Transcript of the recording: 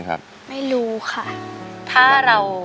ขอบคุณครับ